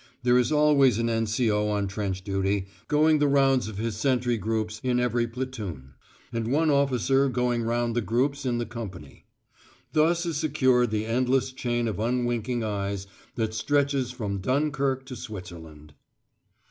There is always an N.C.O. on trench duty, going the rounds of his sentry groups, in every platoon; and one officer going round the groups in the company. Thus is secured the endless chain of unwinking eyes that stretches from Dunkirk to Switzerland.